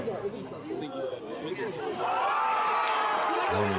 何？